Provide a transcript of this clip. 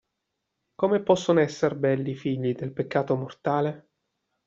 Come possono esser belli i figli del peccato mortale?